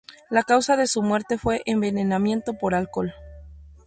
La causa de su muerte fue envenenamiento por alcohol.